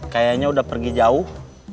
kayaknya udah pergi jauh